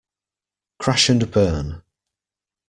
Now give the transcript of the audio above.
Crash and burn.